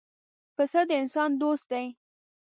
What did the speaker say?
پسه د انسان دوست دی.